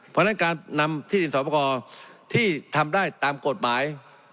เพราะฉะนั้นการนำที่ดินสอบประกอบที่ทำได้ตามกฎหมาย